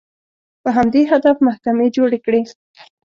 په همدې هدف محکمې جوړې کړې